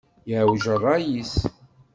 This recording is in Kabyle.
Yeɛwej rray-is.